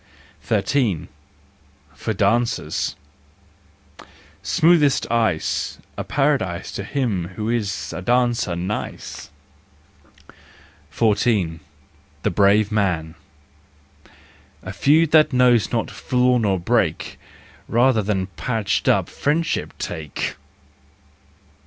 13 . For Dancers . Smoothest ice, A paradise To him who is a dancer nice. 14. The Brave Man . A feud that knows not flaw nor break, Rather then patched up friendship, take.